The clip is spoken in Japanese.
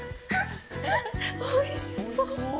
おいしそう！